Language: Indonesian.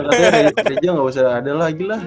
kaya aja gak usah ada lagi lah